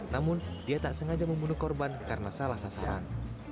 namun dia tak sengaja membunuh korban karena salah sasaran